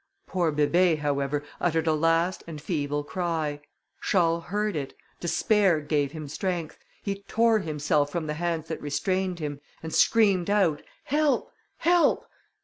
Poor Bébé, however, uttered a last and feeble cry; Charles heard it; despair gave him strength; he tore himself from the hands that restrained him, and screamed out "Help! help!"